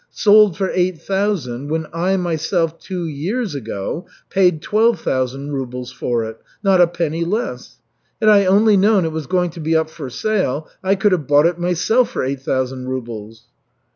Sold for eight thousand when I myself two years ago paid twelve thousand rubles for it, not a penny less. Had I only known it was going to be up for sale, I could have bought it myself for eight thousand rubles."